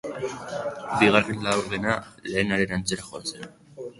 Bigarren laurdena lehenaren antzera joan zen.